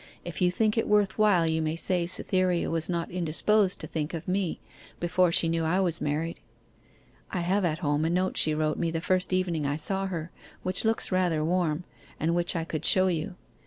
If you think it worth while, you may say Cytherea was not indisposed to think of me before she knew I was married. I have at home a note she wrote me the first evening I saw her, which looks rather warm, and which I could show you.